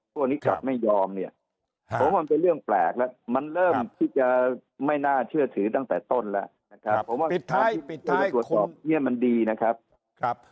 พวกนี้กลับไม่ยอมเนี่ยผมว่ามันเป็นเรื่องแปลกแล้วมันเริ่มที่จะไม่น่าเชื่อถือตั้งแต่ต้นแล้วนะครับเพราะว่าการตรวจสอบเนี่ยมันดีนะครับ